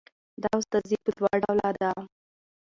دا استازي په دوه ډوله ده